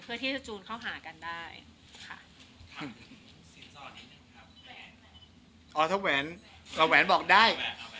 เพื่อที่จะจูนเข้าหากันได้ค่ะอ๋อถ้าแหวนเอาแหวนบอกได้